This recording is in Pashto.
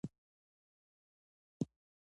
نفوذ درلود.